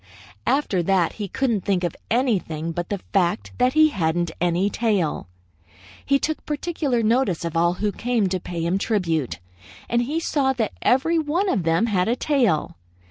"After that he couldn't think of anything but the fact that he hadn't any tail. He took particular notice of all who came to pay him tribute, and he saw that every one of them had a tail.